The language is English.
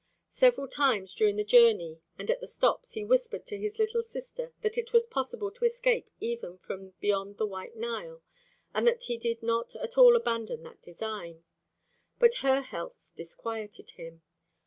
Several times during the journey and at the stops he whispered to his little sister that it was possible to escape even from beyond the White Nile, and that he did not at all abandon that design. But her health disquieted him.